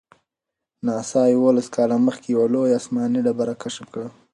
ناسا یوولس کاله مخکې یوه لویه آسماني ډبره کشف کړه.